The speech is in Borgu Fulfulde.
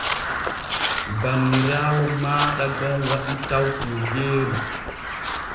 Banniraawo maaɗa gon waɗi taw tiwgeeru.